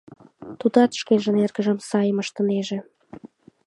Тудат шкенжын эргыжым сайым ыштынеже.